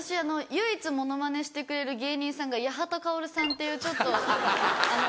唯一モノマネしてくれる芸人さんが八幡カオルさんっていうちょっとあの。